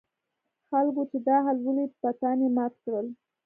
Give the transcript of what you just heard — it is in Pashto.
خلکو چې دا حال ولید بتان یې مات کړل.